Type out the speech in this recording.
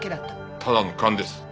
ただの勘です。